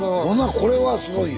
これはすごいよ。